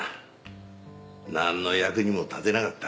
何の役にも立てなかった。